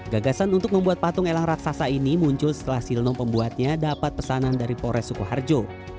gagasan untuk membuat patung elang raksasa ini muncul setelah silno pembuatnya dapat pesanan dari polres sukoharjo